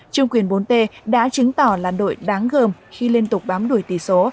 trương quyền bốn t đã chứng tỏ là đội đáng gợm khi liên tục bám đuổi tỷ số